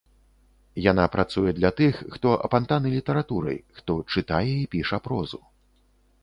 Яна працуе для тых, хто апантаны літаратурай, хто чытае і піша прозу.